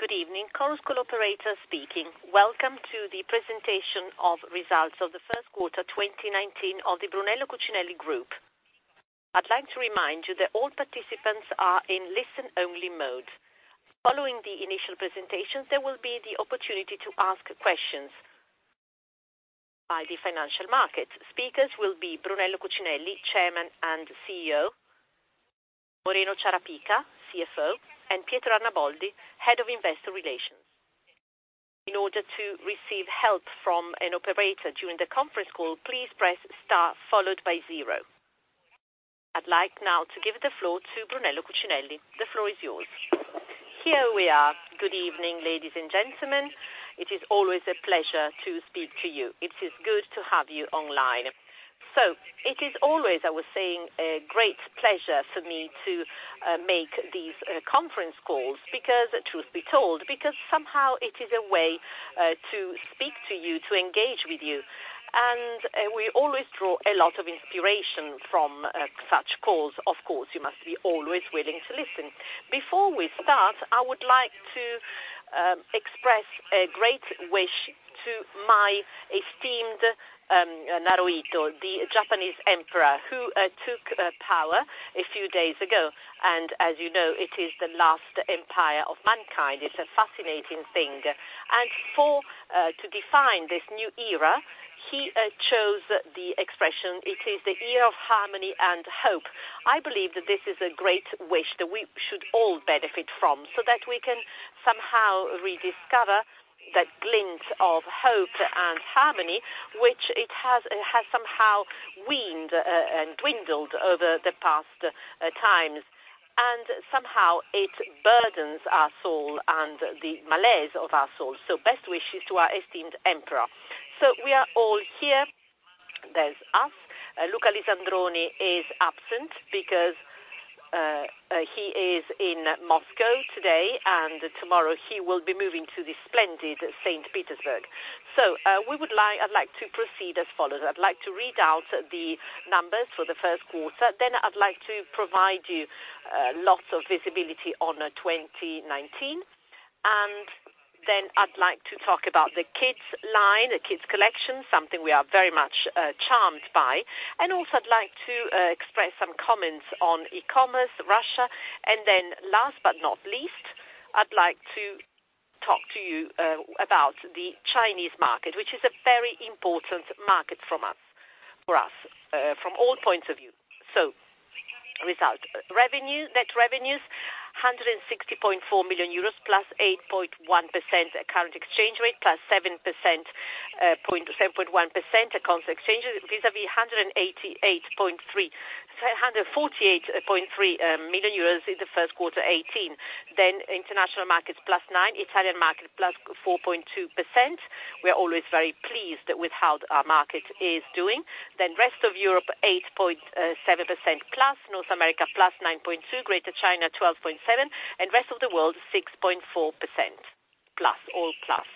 Good evening, conference call operator speaking. Welcome to the presentation of results of the first quarter 2019 of the Brunello Cucinelli Group. I'd like to remind you that all participants are in listen-only mode. Following the initial presentations, there will be the opportunity to ask questions by the financial market. Speakers will be Brunello Cucinelli, chairman and CEO, Moreno Ciarapica, CFO, and Pietro Arnaboldi, head of investor relations. In order to receive help from an operator during the conference call, please press star followed by zero. I'd like now to give the floor to Brunello Cucinelli. The floor is yours. Here we are. Good evening, ladies and gentlemen. It is always a pleasure to speak to you. It is good to have you online. It is always, I was saying, a great pleasure for me to make these conference calls because, truth be told, somehow it is a way to speak to you, to engage with you, and we always draw a lot of inspiration from such calls. Of course, you must be always willing to listen. Before we start, I would like to express a great wish to my esteemed Naruhito, the Japanese Emperor, who took power a few days ago, and as you know, it's the last empire of mankind. It's a fascinating thing. To define this new era, he chose the expression, it is the era of harmony and hope. I believe that this is a great wish that we should all benefit from, so that we can somehow rediscover that glint of hope and harmony, which it has somehow weaned and dwindled over the past times, and somehow it burdens our soul and the malaise of our soul. Best wishes to our esteemed emperor. We are all here. There's us. Luca Lisandroni is absent because he is in Moscow today, and tomorrow he will be moving to the splendid St. Petersburg. I'd like to proceed as follows. I'd like to read out the numbers for the first quarter, then I'd like to provide you lots of visibility on 2019, and then I'd like to talk about the Kids line, the Kids' Collection, something we are very much charmed by. Also I'd like to express some comments on e-commerce, Russia. Last but not least, I'd like to talk to you about the Chinese market, which is a very important market for us from all points of view. Result. Net revenues, 160.4 million euros, plus 8.1% at current exchange rate, plus 7.1% at constant exchange, vis-à-vis EUR 148.3 million in the first quarter 2018. International markets, plus 9%, Italian market, plus 4.2%. We are always very pleased with how our market is doing. Rest of Europe, 8.7% plus, North America, plus 9.2%, greater China, 12.7%, and rest of the world, 6.4% plus. All plus.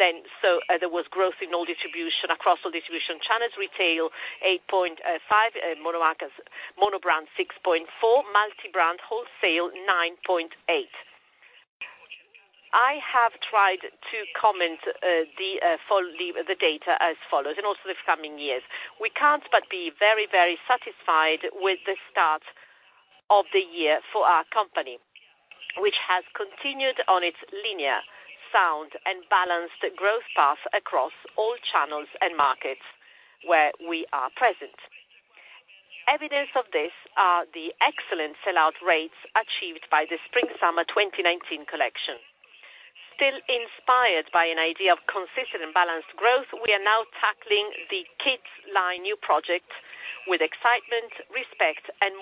There was growth in all distribution, across all distribution channels. Retail, 8.5%, mono-brand, 6.4%, multi-brand wholesale, 9.8%. I have tried to comment the data as follows, and also the coming years. We can't but be very, very satisfied with the start of the year for our company, which has continued on its linear, sound, and balanced growth path across all channels and markets where we are present. Evidence of this are the excellent sell-out rates achieved by the Spring/Summer 2019 collection. Still inspired by an idea of consistent and balanced growth, we are now tackling the Kids line new project with excitement, respect, and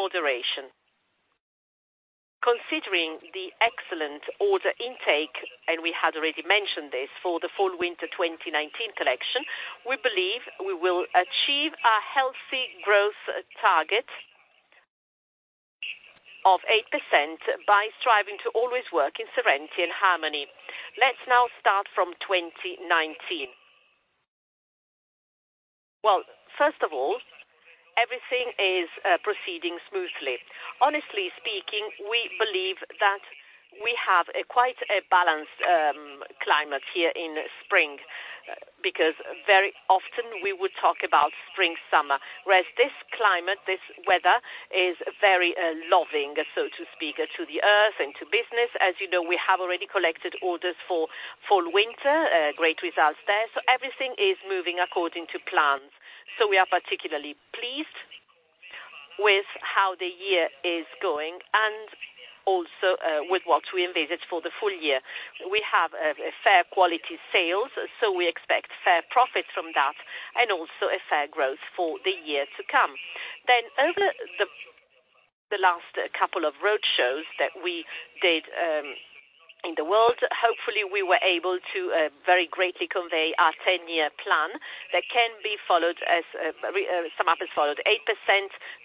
moderation. Considering the excellent order intake, and we had already mentioned this, for the Fall/Winter 2019 collection, we believe we will achieve a healthy growth target of 8% by striving to always work in serenity and harmony. Let's now start from 2019. First of all, everything is proceeding smoothly. Honestly speaking, we believe that we have quite a balanced climate here in spring, because very often we would talk about spring/summer. Whereas this climate, this weather, is very loving, so to speak, to the earth and to business. As you know, we have already collected orders for Fall/Winter, great results there. Everything is moving according to plans. We are particularly pleased with how the year is going and also with what we envisage for the full year. We have fair quality sales, we expect fair profit from that and also a fair growth for the year to come. Over the last couple of road shows that we did in the world, hopefully, we were able to very greatly convey our 10-year plan that can be summed up as followed. 8%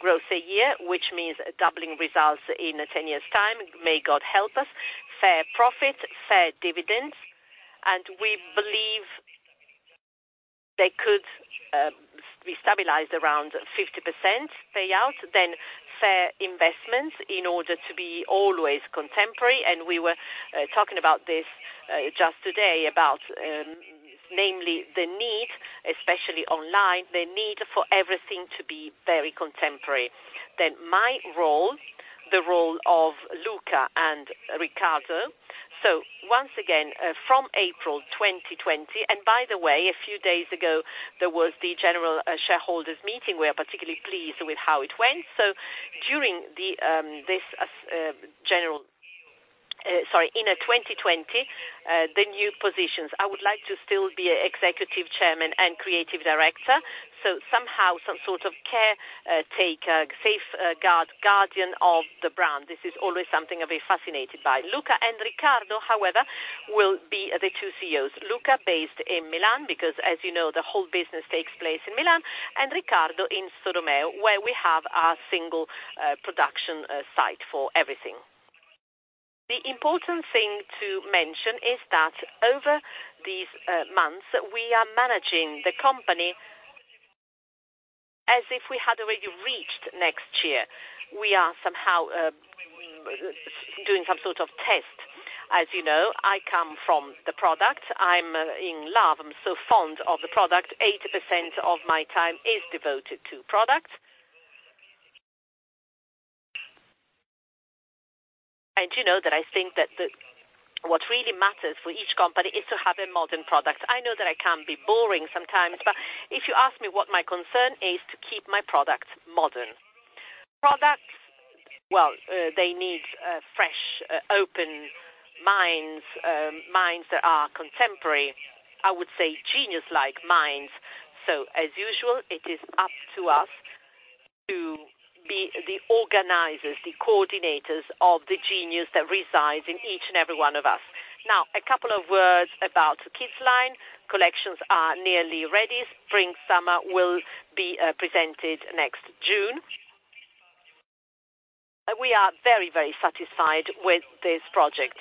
growth a year, which means doubling results in 10 years' time, may God help us. Fair profit, fair dividends. We believe they could be stabilized around 50% payout, fair investments in order to be always contemporary. We were talking about this just today, about namely the need, especially online, the need for everything to be very contemporary. My role, the role of Luca and Riccardo. Once again, from April 2020, and by the way, a few days ago, there was the general shareholders meeting. We are particularly pleased with how it went. During this, in 2020, the new positions. I would like to still be Executive Chairman and Creative Director. Somehow some sort of caretaker, safeguard, guardian of the brand. This is always something I'm very fascinated by. Luca and Riccardo, however, will be the two CEOs. Luca based in Milan, because as you know, the whole business takes place in Milan, and Riccardo in Solomeo, where we have our single production site for everything. The important thing to mention is that over these months, we are managing the company as if we had already reached next year. We are somehow doing some sort of test. As you know, I come from the product. I'm in love, I'm so fond of the product. 80% of my time is devoted to product. You know that I think that what really matters for each company is to have a modern product. I know that I can be boring sometimes, but if you ask me what my concern is, to keep my product modern. Products, they need fresh, open minds that are contemporary, I would say genius-like minds. As usual, it is up to us to be the organizers, the coordinators of the genius that resides in each and every one of us. Now, a couple of words about Kids line. Collections are nearly ready. Spring/Summer will be presented next June. We are very, very satisfied with this project.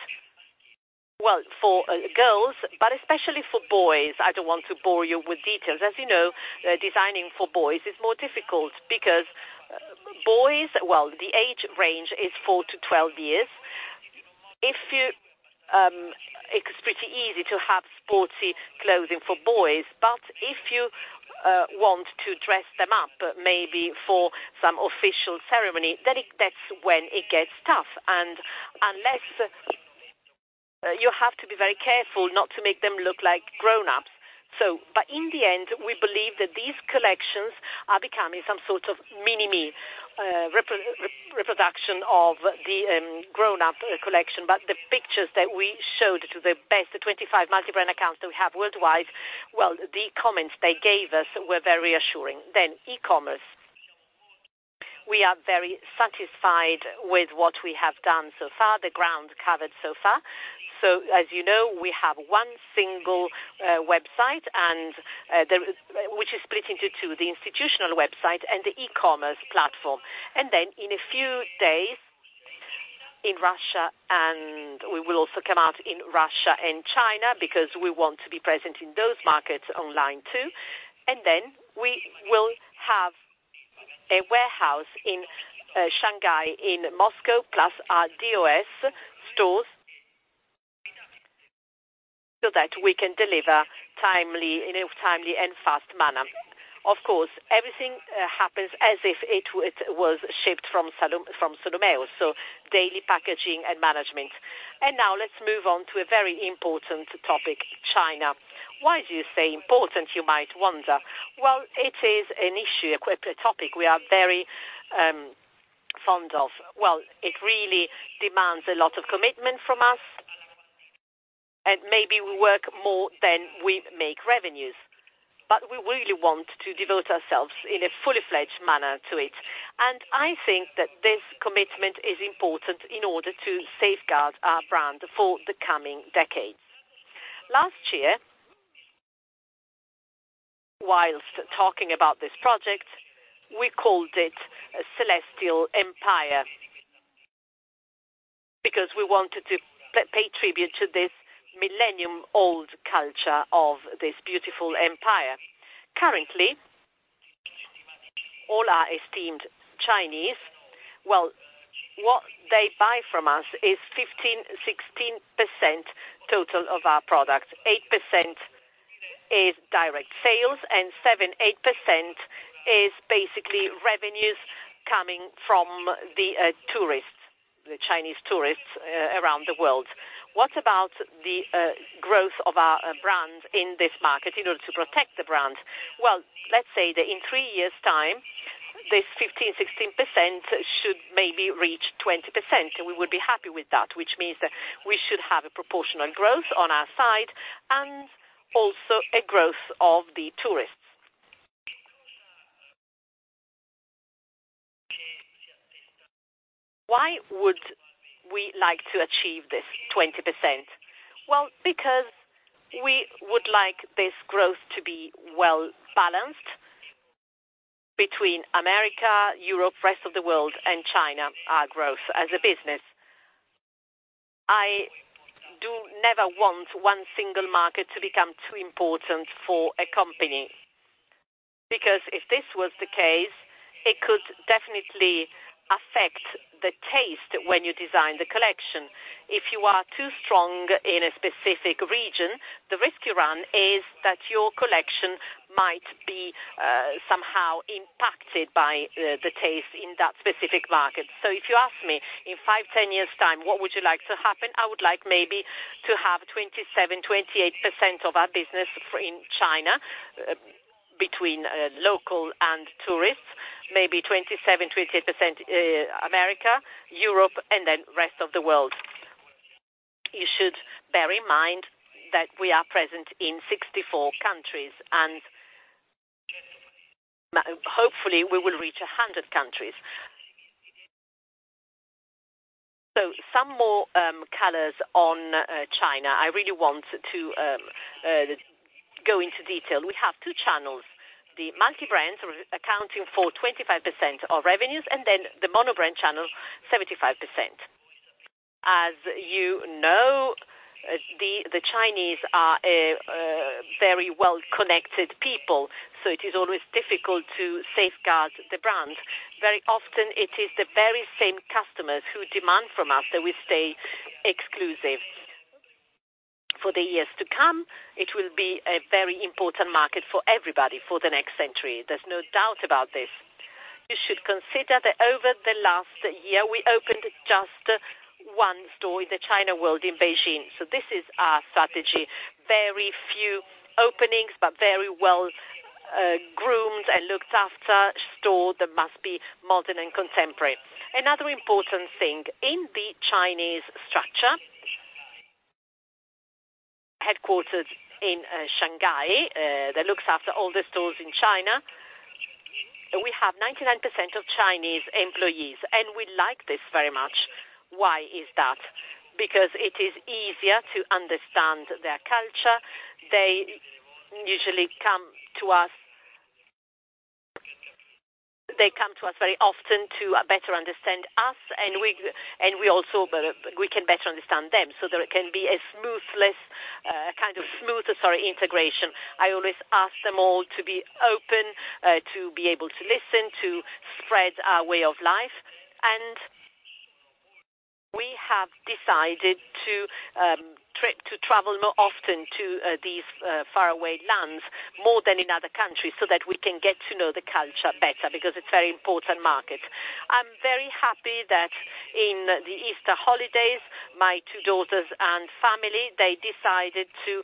Well, for girls, but especially for boys, I don't want to bore you with details. As you know, designing for boys is more difficult because boys, well, the age range is 4 to 12 years. It's pretty easy to have sporty clothing for boys, but if you want to dress them up, maybe for some official ceremony, then that's when it gets tough. You have to be very careful not to make them look like grown-ups. In the end, we believe that these collections are becoming some sort of mini-me reproduction of the grown-up collection. The pictures that we showed to the best 25 multi-brand accounts that we have worldwide, well, the comments they gave us were very reassuring. e-commerce. We are very satisfied with what we have done so far, the ground covered so far. As you know, we have one single website, which is split into two, the institutional website and the e-commerce platform. In a few days, we will also come out in Russia and China because we want to be present in those markets online too. We will have a warehouse in Shanghai, in Moscow, plus our DOS stores, so that we can deliver in a timely and fast manner. Of course, everything happens as if it was shipped from Solomeo, so daily packaging and management. Now let's move on to a very important topic, China. Why do you say important, you might wonder? Well, it is an issue, a topic we are very fond of. Well, it really demands a lot of commitment from us, and maybe we work more than we make revenues. We really want to devote ourselves in a fully fledged manner to it. I think that this commitment is important in order to safeguard our brand for the coming decades. Last year, whilst talking about this project, we called it a celestial empire because we wanted to pay tribute to this millennium old culture of this beautiful empire. Currently, all our esteemed Chinese, well, what they buy from us is 15%-16% total of our product. 8% is direct sales, and 7%-8% is basically revenues coming from the tourists, the Chinese tourists around the world. What about the growth of our brand in this market in order to protect the brand? Well, let's say that in three years' time, this 15%-16% should maybe reach 20%, and we would be happy with that, which means that we should have a proportional growth on our side and also a growth of the tourists. Why would we like to achieve this 20%? Well, because we would like this growth to be well balanced between America, Europe, rest of the world and China, our growth as a business. I do never want one single market to become too important for a company. If this was the case, it could definitely affect the taste when you design the collection. If you are too strong in a specific region, the risk you run is that your collection might be somehow impacted by the taste in that specific market. If you ask me, in five, 10 years' time, what would you like to happen? I would like maybe to have 27%-28% of our business in China, between local and tourists, maybe 27%-28% America, Europe, and then rest of the world. You should bear in mind that we are present in 64 countries, and hopefully, we will reach 100 countries. Some more colors on China. I really want to go into detail. We have two channels, the multi-brands, accounting for 25% of revenues, and then the mono-brand channel, 75%. As you know, the Chinese are a very well-connected people, so it is always difficult to safeguard the brand. Very often it is the very same customers who demand from us that we stay exclusive. For the years to come, it will be a very important market for everybody for the next century. There's no doubt about this. You should consider that over the last year, we opened just one store in the China World in Beijing. This is our strategy. Very few openings, but very well-groomed and looked after store that must be modern and contemporary. Another important thing, in the Chinese structure, headquarters in Shanghai, that looks after all the stores in China, we have 99% of Chinese employees, and we like this very much. Why is that? Because it is easier to understand their culture. They usually come to us very often to better understand us, and we can better understand them, so there can be a kind of smoother integration. I always ask them all to be open, to be able to listen, to spread our way of life. We have decided to travel more often to these faraway lands more than in other countries so that we can get to know the culture better, because it's a very important market. I'm very happy that in the Easter holidays, my two daughters and family, they decided to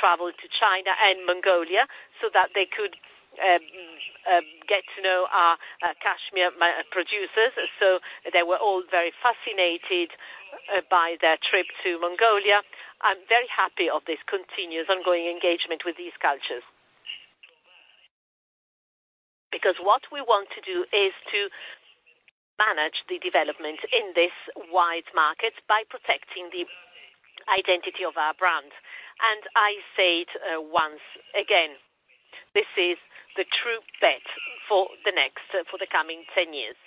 travel to China and Mongolia so that they could get to know our cashmere producers. They were all very fascinated by their trip to Mongolia. I'm very happy of this continuous, ongoing engagement with these cultures. What we want to do is to manage the development in this wide market by protecting the identity of our brand. I say it once again, this is the true bet for the coming 10 years.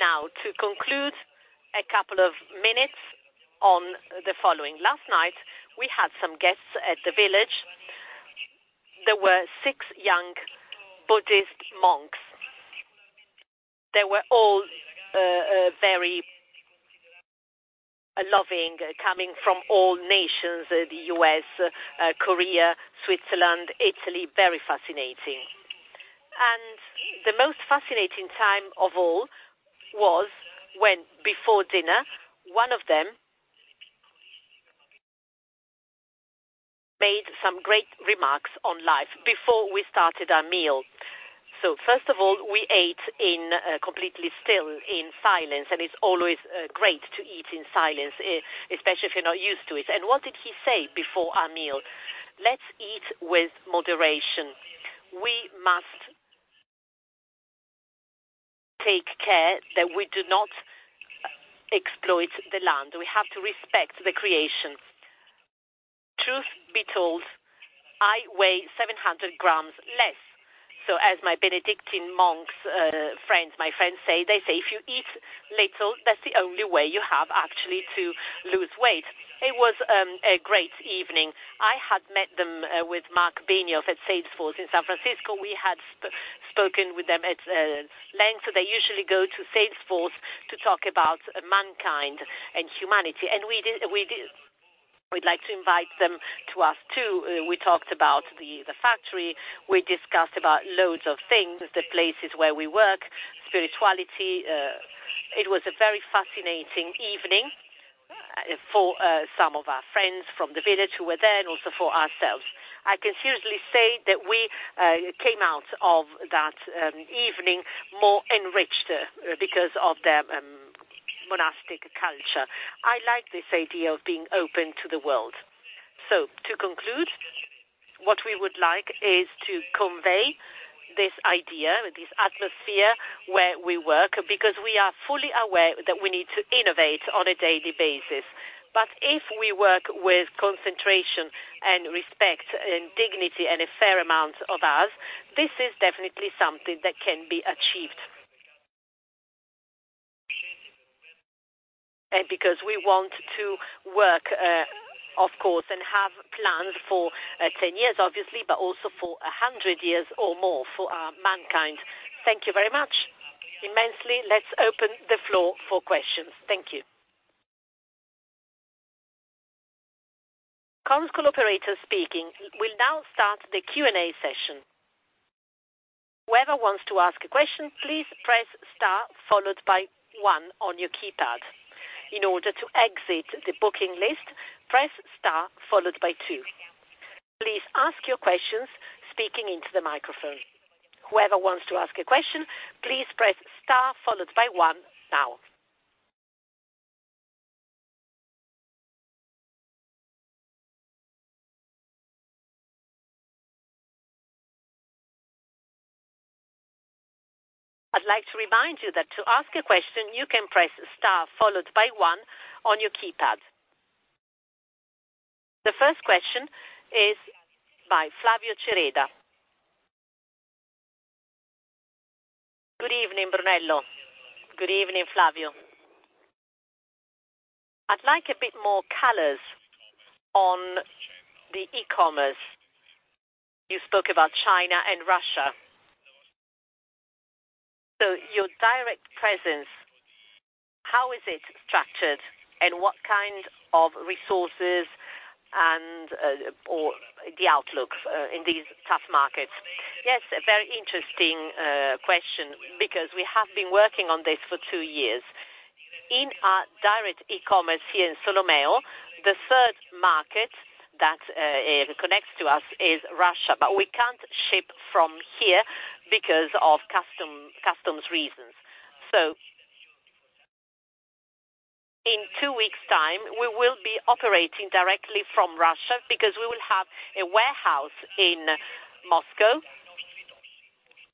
Now to conclude, a couple of minutes on the following. Last night, we had some guests at the village. There were six young Buddhist monks. They were all very loving, coming from all nations, the U.S., Korea, Switzerland, Italy, very fascinating. The most fascinating time of all was when before dinner, one of them made some great remarks on life before we started our meal. First of all, we ate completely still in silence, and it's always great to eat in silence, especially if you're not used to it. What did he say before our meal? "Let's eat with moderation. We must take care that we do not exploit the land. We have to respect the creation." Truth be told, I weigh 700 grams less. As my Benedictine monks friends, my friends say, they say, "If you eat little, that's the only way you have actually to lose weight." It was a great evening. I had met them with Marc Benioff at Salesforce in San Francisco. We had spoken with them at length. They usually go to Salesforce to talk about mankind and humanity. We'd like to invite them to us, too. We talked about the factory. We discussed about loads of things, the places where we work, spirituality. It was a very fascinating evening for some of our friends from the village who were there, also for ourselves. I can seriously say that we came out of that evening more enriched because of their monastic culture. I like this idea of being open to the world. To conclude, what we would like is to convey this idea, this atmosphere where we work, because we are fully aware that we need to innovate on a daily basis. If we work with concentration and respect and dignity and a fair amount of us, this is definitely something that can be achieved. We want to work, of course, and have plans for 10 years, obviously, but also for 100 years or more for mankind. Thank you very much, immensely. Let's open the floor for questions. Thank you. ConfCall operator speaking. We'll now start the Q&A session. The first question is by Flavio Cereda. Good evening, Brunello. Good evening, Flavio. I'd like a bit more colors on the e-commerce. You spoke about China and Russia. Your direct presence, how is it structured, and what kind of resources and/or the outlook in these tough markets? A very interesting question because we have been working on this for two years. In our direct e-commerce here in Solomeo, the third market that connects to us is Russia, but we can't ship from here because of customs reasons. In two weeks' time, we will be operating directly from Russia because we will have a warehouse in Moscow,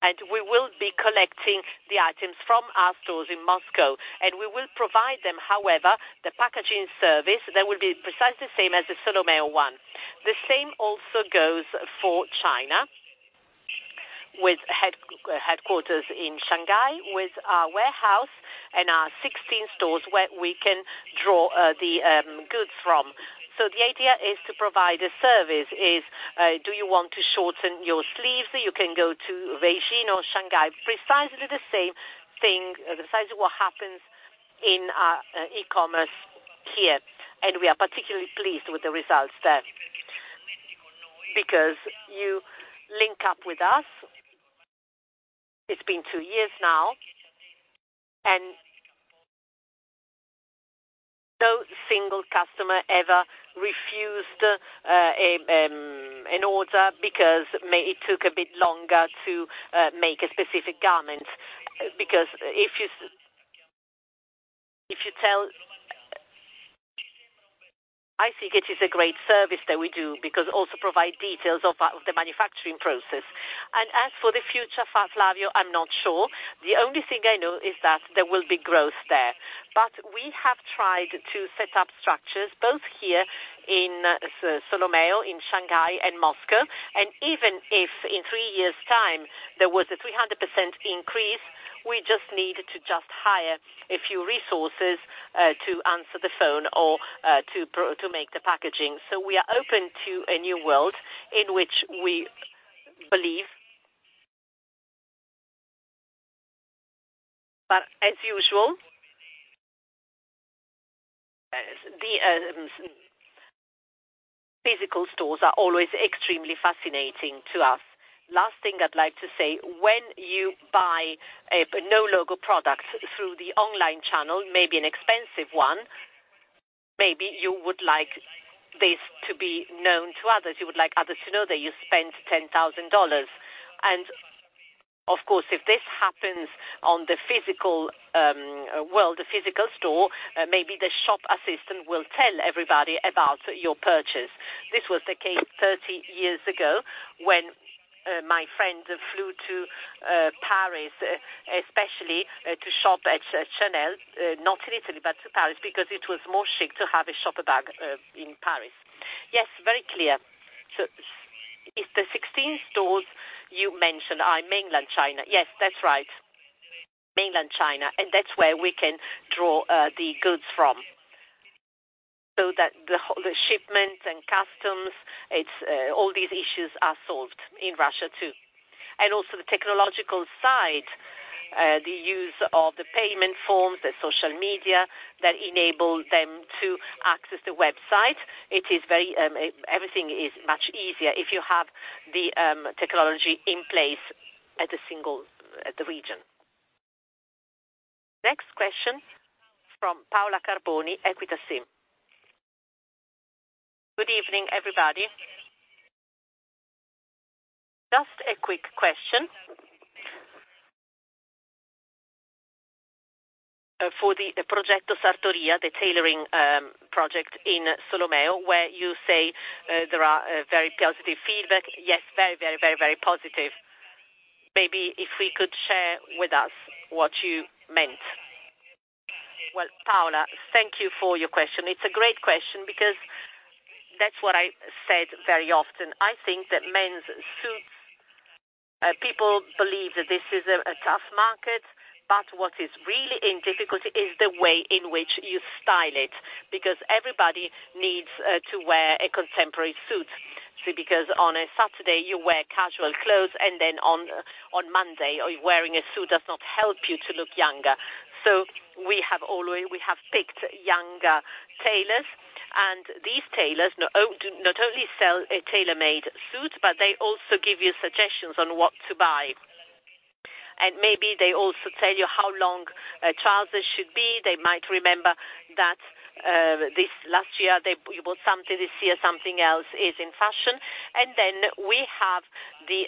and we will be collecting the items from our stores in Moscow. We will provide them, however, the packaging service, that will be precisely the same as the Solomeo one. The same also goes for China, with headquarters in Shanghai, with our warehouse and our 16 stores where we can draw the goods from. The idea is to provide a service is, do you want to shorten your sleeves? You can go to Beijing or Shanghai. Precisely the same thing, precisely what happens in our e-commerce here. We are particularly pleased with the results there. You link up with us, it's been two years now, and no single customer ever refused an order because it took a bit longer to make a specific garment. If you tell I think it is a great service that we do because it also provides details of the manufacturing process. As for the future, Flavio, I'm not sure. The only thing I know is that there will be growth there. We have tried to set up structures both here in Solomeo, in Shanghai and Moscow. Even if in 3 years' time there was a 300% increase, we just need to hire a few resources to answer the phone or to make the packaging. We are open to a new world in which we believe. As usual, the physical stores are always extremely fascinating to us. Last thing I'd like to say, when you buy a no logo product through the online channel, maybe an expensive one, maybe you would like this to be known to others. You would like others to know that you spent $10,000. Of course, if this happens on the physical world, the physical store, maybe the shop assistant will tell everybody about your purchase. This was the case 30 years ago when my friend flew to Paris, especially to shop at Chanel, not in Italy, but to Paris because it was more chic to have a shopper bag in Paris. Yes, very clear. If the 16 stores you mentioned are in mainland China. Yes, that's right. Mainland China, and that's where we can draw the goods from. So that the shipment and customs, all these issues are solved in Russia, too. Also the technological side, the use of the payment forms, the social media that enable them to access the website. Everything is much easier if you have the technology in place at the region. Next question from Paola Carboni, Equita SIM. Good evening, everybody. Just a quick question. For the Progetto Sartoria, the tailoring project in Solomeo, where you say there are very positive feedback. Yes, very positive. Maybe if we could share with us what you meant. Paola, thank you for your question. It's a great question because that's what I said very often. I think that men's suits, people believe that this is a tough market, but what is really in difficulty is the way in which you style it, because everybody needs to wear a contemporary suit. Because on a Saturday you wear casual clothes and then on Monday, wearing a suit does not help you to look younger. We have picked younger tailors, and these tailors do not only sell tailor-made suits, but they also give you suggestions on what to buy. Maybe they also tell you how long trousers should be. They might remember that this last year it was something, this year something else is in fashion. We have the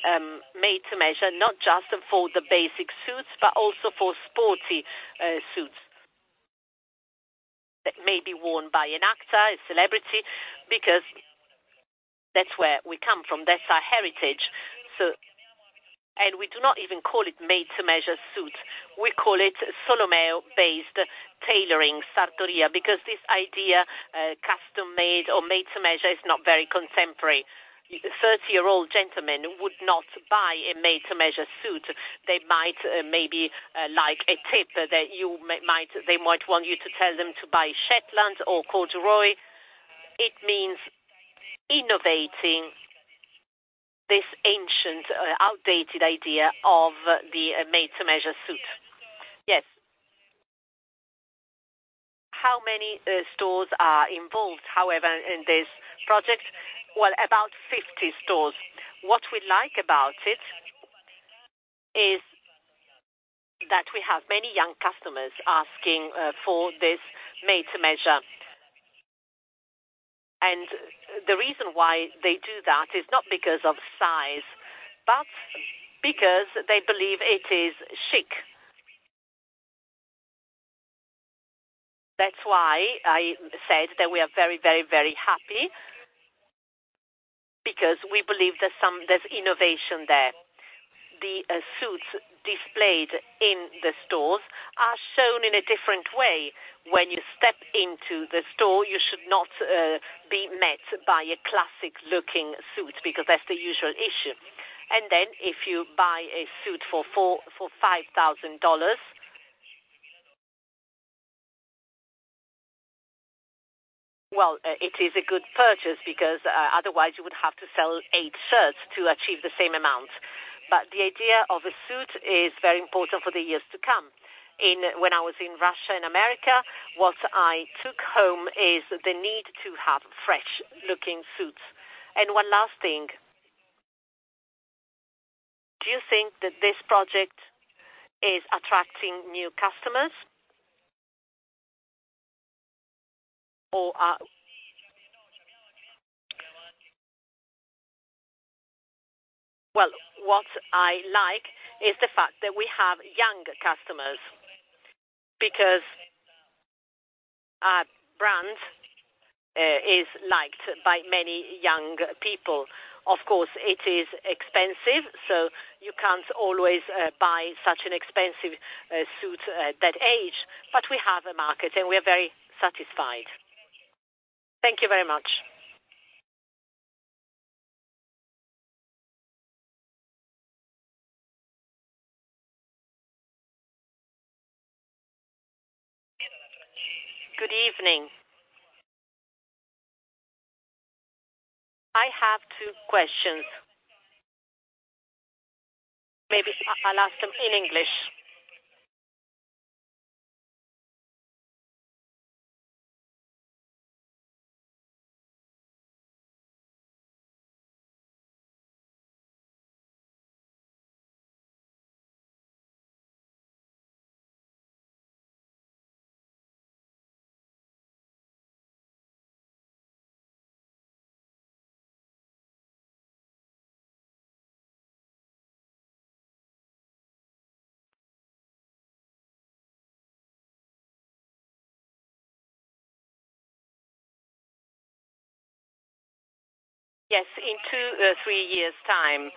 made-to-measure, not just for the basic suits, but also for sporty suits that may be worn by an actor, a celebrity, because that's where we come from. That's our heritage. We do not even call it made-to-measure suit. We call it Solomeo-based tailoring sartoria, because this idea custom-made or made-to-measure is not very contemporary. 30-year-old gentleman would not buy a made-to-measure suit. They might maybe like a tip that they might want you to tell them to buy Shetland or corduroy. It means innovating this ancient, outdated idea of the made-to-measure suit. Yes. How many stores are involved, however, in this project? About 50 stores. What we like about it is that we have many young customers asking for this made-to-measure. The reason why they do that is not because of size, but because they believe it is chic. That is why I said that we are very happy, because we believe there is innovation there. The suits displayed in the stores are shown in a different way. When you step into the store, you should not be met by a classic-looking suit, because that is the usual issue. If you buy a suit for $5,000, well, it is a good purchase because, otherwise you would have to sell eight shirts to achieve the same amount. The idea of a suit is very important for the years to come. When I was in Russia and America, what I took home is the need to have fresh-looking suits. One last thing. Do you think that this project is attracting new customers? Well, what I like is the fact that we have younger customers because our brand is liked by many young people. Of course, it is expensive, so you cannot always buy such an expensive suit at that age. We have a market, and we are very satisfied. Thank you very much. Good evening. I have two questions. Maybe I will ask them in English. Yes, in two, three years' time,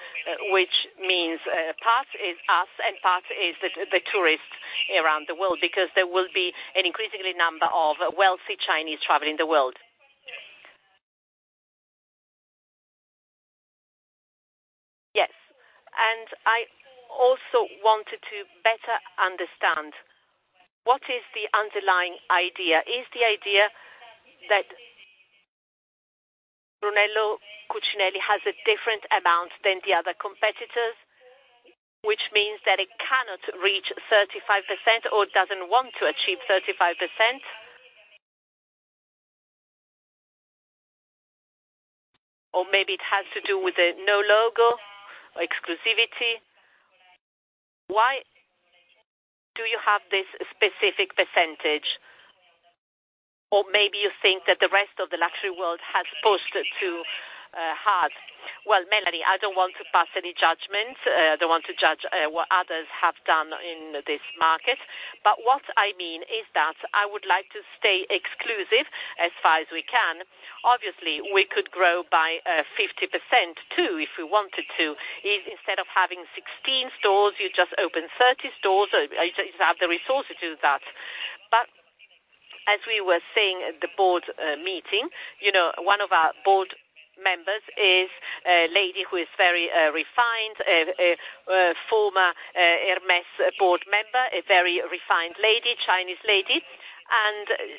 which means part is us and part is the tourist around the world, because there will be an increasingly number of wealthy Chinese traveling the world. Yes. I also wanted to better understand what is the underlying idea. Is the idea that Brunello Cucinelli has a different amount than the other competitors, which means that it cannot reach 35% or does not want to achieve 35%? Maybe it has to do with the no logo or exclusivity. Why do you have this specific percentage? Maybe you think that the rest of the luxury world has pushed too hard. Well, Mélanie, I do not want to pass any judgment. I do not want to judge what others have done in this market. What I mean is that I would like to stay exclusive as far as we can. Obviously, we could grow by 50% too if we wanted to. Instead of having 16 stores, you just open 30 stores, or you just have the resources to do that. As we were saying at the board meeting, one of our board members is a lady who is very refined, a former Hermès board member, a very refined Chinese lady.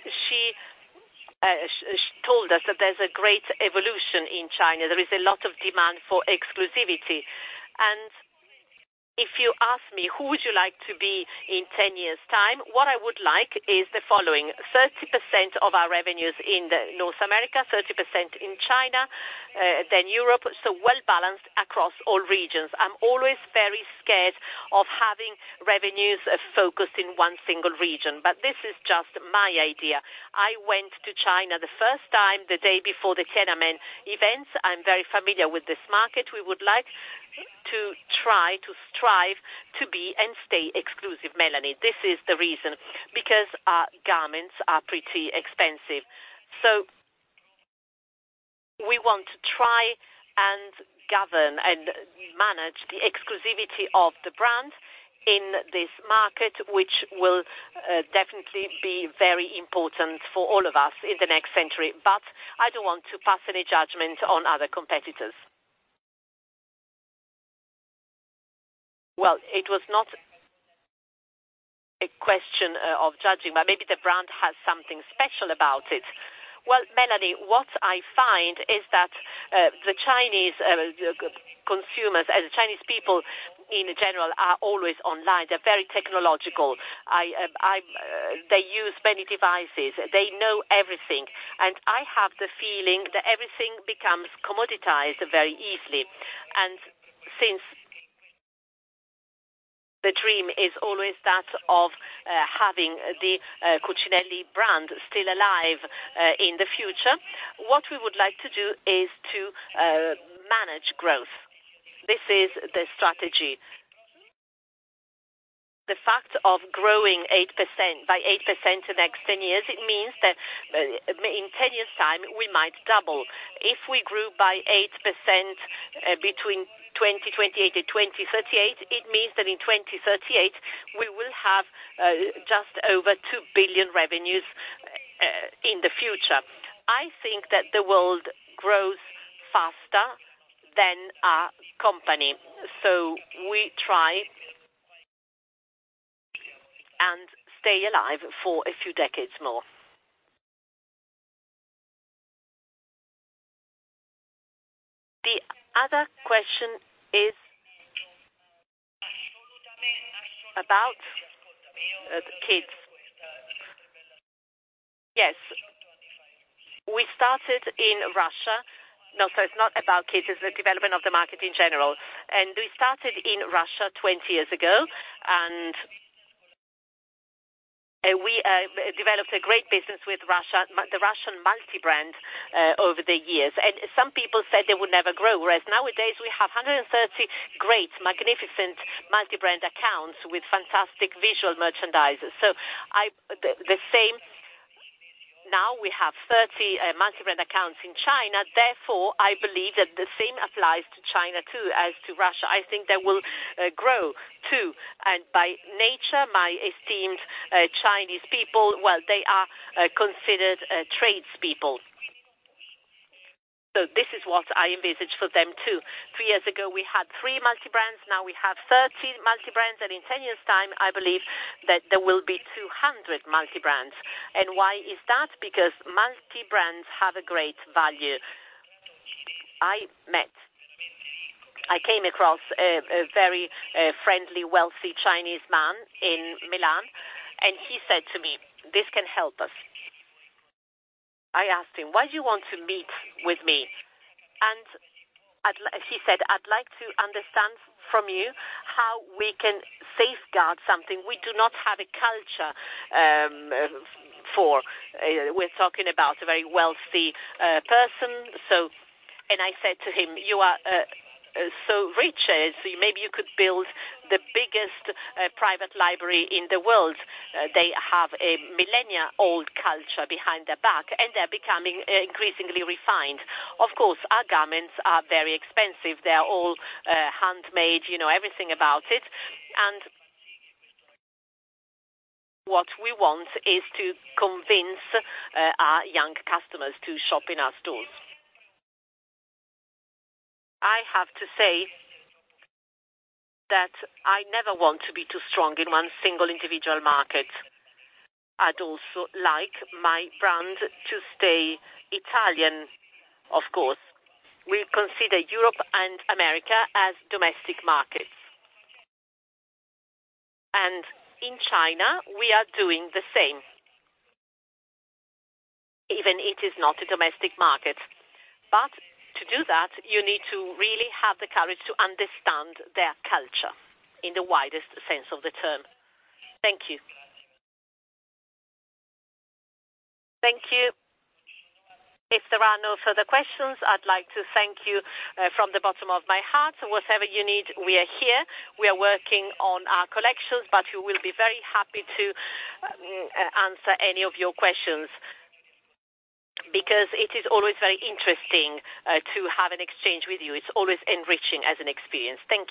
She told us that there is a great evolution in China. There is a lot of demand for exclusivity. If you ask me, who would you like to be in 10 years' time? What I would like is the following, 30% of our revenues in North America, 30% in China, then Europe. Well-balanced across all regions. I am always very scared of having revenues focused in one single region. This is just my idea. I went to China the first time, the day before the Tiananmen event. I am very familiar with this market. We would like to try to strive to be and stay exclusive, Mélanie. This is the reason, because our garments are pretty expensive. We want to try and govern and manage the exclusivity of the brand in this market, which will definitely be very important for all of us in the next century. I do not want to pass any judgment on other competitors. Well, it was not a question of judging, but maybe the brand has something special about it. Well, Mélanie, what I find is that the Chinese consumers and Chinese people in general are always online. They're very technological. They use many devices. They know everything. I have the feeling that everything becomes commoditized very easily. Since the dream is always that of having the Cucinelli brand still alive in the future, what we would like to do is to manage growth. This is the strategy. The fact of growing by 8% the next 10 years, it means that in 10 years' time, we might double. If we grew by 8% between 2028 and 2038, it means that in 2038, we will have just over 2 billion revenues in the future. I think that the world grows faster than our company, we try and stay alive for a few decades more. The other question is about kids. Yes. We started in Russia. No, it's not about kids, it's the development of the market in general. We started in Russia 20 years ago, and we have developed a great business with the Russian multi-brand over the years. Some people said they would never grow, whereas nowadays, we have 130 great, magnificent multi-brand accounts with fantastic visual merchandisers. Now we have 30 multi-brand accounts in China, therefore, I believe that the same applies to China too as to Russia. I think they will grow, too. By nature, my esteemed Chinese people, well, they are considered tradespeople. This is what I envisage for them, too. Three years ago, we had three multi-brands. Now we have 30 multi-brands. In 10 years' time, I believe that there will be 200 multi-brands. Why is that? Because multi-brands have a great value. I came across a very friendly, wealthy Chinese man in Milan, he said to me, "This can help us." I asked him, "Why do you want to meet with me?" He said, "I'd like to understand from you how we can safeguard something we do not have a culture for." We're talking about a very wealthy person. I said to him, "You are so rich, maybe you could build the biggest private library in the world." They have a millennia-old culture behind their back, and they're becoming increasingly refined. Of course, our garments are very expensive. They are all handmade, you know everything about it. What we want is to convince our young customers to shop in our stores. I have to say that I never want to be too strong in one single individual market. I'd also like my brand to stay Italian, of course. We consider Europe and America as domestic markets. In China, we are doing the same, even it is not a domestic market. To do that, you need to really have the courage to understand their culture in the widest sense of the term. Thank you. Thank you. If there are no further questions, I'd like to thank you from the bottom of my heart. Whatever you need, we are here. We are working on our collections, but we will be very happy to answer any of your questions because it is always very interesting to have an exchange with you. It's always enriching as an experience. Thank you.